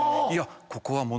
「いやここは」